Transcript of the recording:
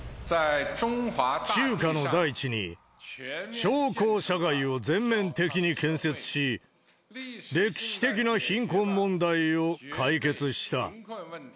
中華の大地に小康社会を全面的に建設し、歴史的な貧困問題を解決した。